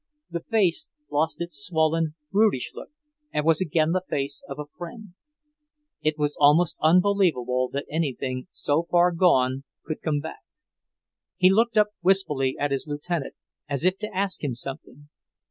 The face lost its swollen, brutish look and was again the face of a friend. It was almost unbelievable that anything so far gone could come back. He looked up wistfully at his Lieutenant as if to ask him something.